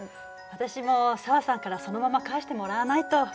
私も紗和さんからそのまま返してもらわないと。